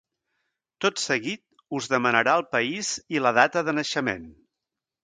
Tot seguit us demanarà el país i la data de naixement.